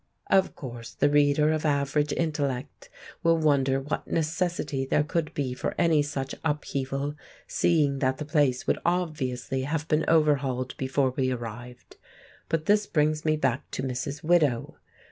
Of course, the reader of average intellect will wonder what necessity there could be for any such upheaval, seeing that the place would obviously have been overhauled before we arrived; but this brings me back to Mrs. Widow.